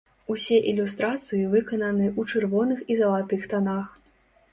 Усе ілюстрацыі выкананы ў чырвоных і залатых танах.